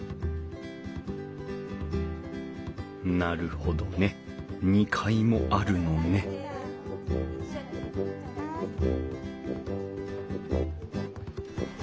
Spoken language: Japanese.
なるほどね２階もあるのねお。